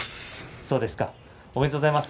おめでとうございます。